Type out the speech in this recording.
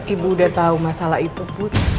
ibu udah tahu masalah itu bu